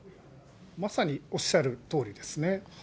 まさにおっしゃるとおりですね。